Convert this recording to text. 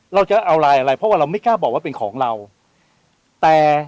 เราจะเอาไลน์อะไรเพราะว่าเราไม่กล้าบอกว่าเป็นของเราแต่